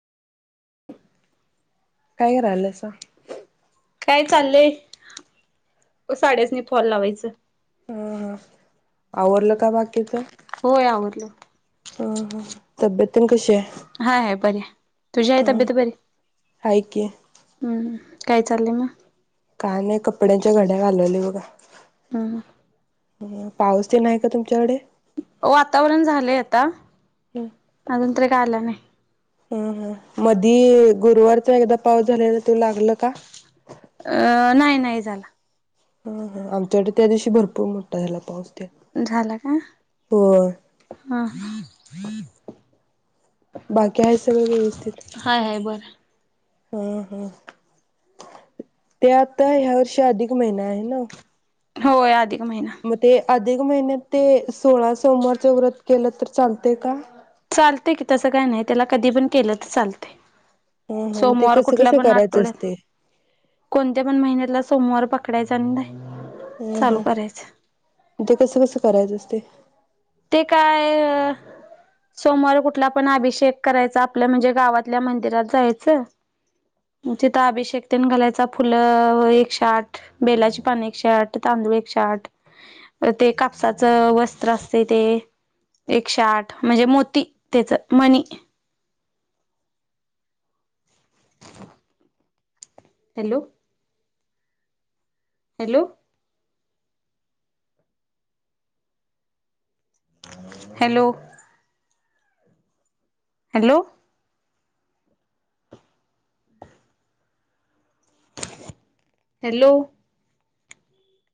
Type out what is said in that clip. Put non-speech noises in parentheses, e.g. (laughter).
काय करयलासा? काय चाललंय साड्यासनी फॉल लावायचं. ह हा आवरलं का बाकीचं होय आवरलं. हा हा तब्येत तेन कशी आहे? हाय हाय बरी हाय, तुझी हाय ह तब्येत बरी? हाय की हम् काय चाललंय मग? का नाही कपड्यांच्या घड्या घालायलोय बघा हम पाऊस तेन आहे का तुमच्याकडे? वातावरण झालंय आता ह अजून तरी काय आला नाही. ह मधी गुरुवारचा एकदा पाऊस झालेला. तो लागला का? अ नाही नाही झाला. हा हा आमच्याकडे त्यादिवशी भरपूर मोठा झाला पाऊस तेन झाल का होय ह बाकी आहे सगळं व्यवस्थित हाय हाय बरं हा हा ते आता ह्या वर्षी अधिक महिना आहे ना होय (unintelligible) मग ते अधिक महिन्यात ते सोळा सोमवारचं व्रत केलं तर चालत का? चालते कि तसं काय नाही त्याला कधी पण केलं तर चालतय. हा हा मग ते सोमवार कसं कुठल्या कसं पण करायचं आठवड्यात असते कोणत्या पण महिन्यातला सोमवार ककडे जा. हम हम ते कसं कसं करायचं असतय. ते काय सोमवार कुठला पण अभिषेक करायचा आपल्या म्हणजे गावातल्या मंदिरात जायचं तिथं अभिषेक तेन घालायचा फुलं एकशे आठ, बेलाची पान एकशे आठ, तांदूळ एकशे आठ ते कापसाचं वस्त्र असत. ते एकशे आठ म्हणजे मोती त्याच मनी (inaudible) हॅलो. हॅलो. हॅलो. हॅलो. (inaudible)